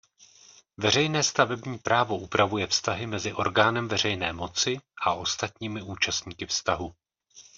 Veřejné stavební právo upravuje vztahy mezi orgánem veřejné moci a ostatními účastníky vztahu.